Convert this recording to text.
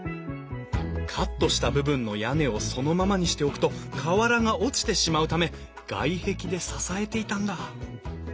カットした部分の屋根をそのままにしておくと瓦が落ちてしまうため外壁で支えていたんだ。